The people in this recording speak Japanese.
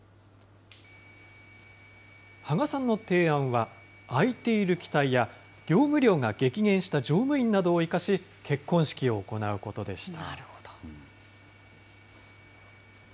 芳賀さんの提案は、空いている機体や、業務量が激減した乗務員などを生かし、結婚式を行うことでした。